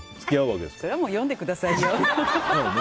それは読んでくださいよ。